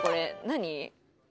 何？